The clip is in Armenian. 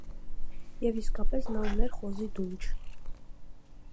Եվ իսկապես նա ուներ խոզի դունչ։